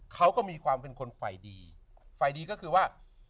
เขาก็มีความเป็นคนไฟดีไฟดีก็คือว่า